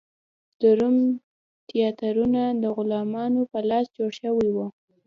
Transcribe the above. د روم تیاترونه د غلامانو په لاس جوړ شوي و.